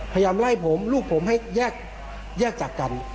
พยายามไล่ผมลูกผมให้แยกจากกัน